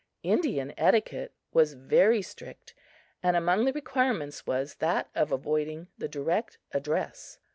Indian etiquette was very strict, and among the requirements was that of avoiding the direct address.